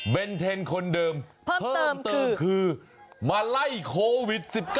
เป็นเทนคนเดิมเพิ่มเติมคือมาไล่โควิด๑๙